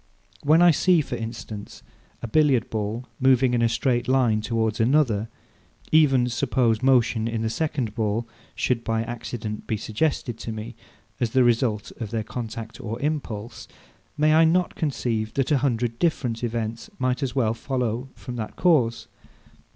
When I see, for instance, a Billiard ball moving in a straight line towards another; even suppose motion in the second ball should by accident be suggested to me, as the result of their contact or impulse; may I not conceive, that a hundred different events might as well follow from that cause?